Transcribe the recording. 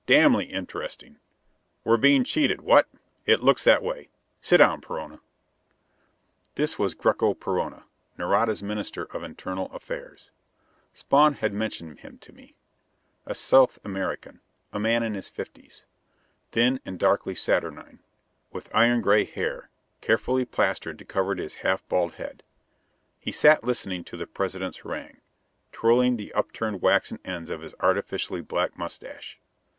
Damnably interesting. We're being cheated, what? It looks that way. Sit down, Perona." This was Greko Perona. Nareda's Minister of Internal Affairs. Spawn had mentioned him to me. A South American. A man in his fifties. Thin and darkly saturnine, with iron gray hair, carefully plastered to cover his half bald head. He sat listening to the President's harangue, twirling the upturned waxen ends of his artificially black mustache.